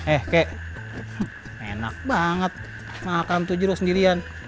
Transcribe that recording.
eh kek enak banget makan tujuh roh sendirian